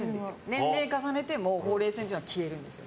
年齢重ねてもほうれい線っていうのは消えるんですよ。